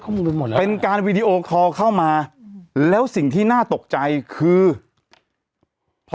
ไปหมดแล้วเป็นการวีดีโอคอลเข้ามาแล้วสิ่งที่น่าตกใจคือพอ